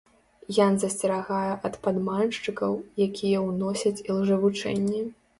Ян засцерагае ад падманшчыкаў, якія ўносяць ілжэвучэнні.